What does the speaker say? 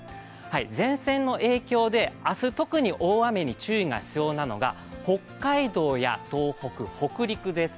前線の影響で明日、特に大雨に注意が必要なのが北海道や東北、北陸です。